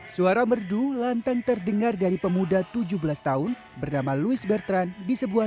suara merdu lantang terdengar dari pemuda tujuh belas tahun bernama louis bertran di sebuah